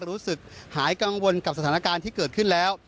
รู้สึกหายกังวลกับสถานการณ์ที่เกิดขึ้นแล้ว